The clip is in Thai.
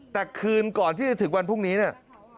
แต่คืนก่อนที่จะถึงวันพรุ่งนี้เนี่ย